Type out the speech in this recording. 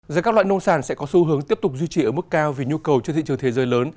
giá các loại nông sản sẽ có xu hướng tiếp tục duy trì ở mức cao vì nhu cầu trên thị trường thế giới lớn